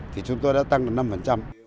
thì chúng tôi đã tăng đến năm